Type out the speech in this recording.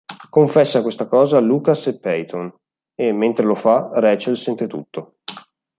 Confessa questa cosa a Lucas e Peyton, e, mentre lo, fa Rachel sente tutto.